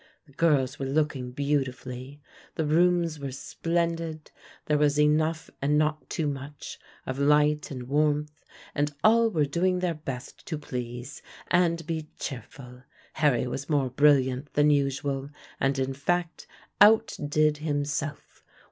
The girls were looking beautifully; the rooms were splendid; there was enough and not too much of light and warmth, and all were doing their best to please and be cheerful. Harry was more brilliant than usual, and in fact outdid himself.